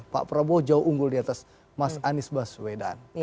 pak prabowo jauh unggul di atas mas anies baswedan